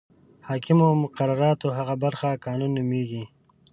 حاکمو مقرراتو هغه برخه قانون نومیږي.